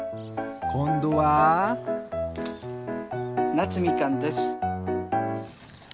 こんどは？なつみかんです。